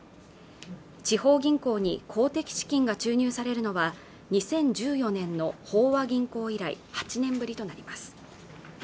地方銀行に公的資金が注入されるのは２０１４年の豊和銀行以来８年ぶりとなります